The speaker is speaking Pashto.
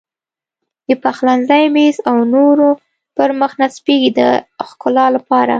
د پخلنځي میز او نورو پر مخ نصبېږي د ښکلا لپاره.